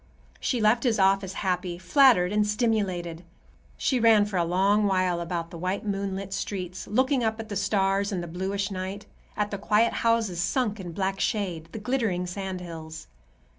She left his office happy, flattered and stimulated. She ran for a long while about the white, moonlit streets, looking up at the stars and the bluish night, at the quiet houses sunk in black shade, the glittering sand hills.